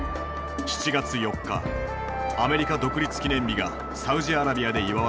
７月４日アメリカ独立記念日がサウジアラビアで祝われている。